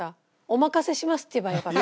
お任せしますって言えばよかった。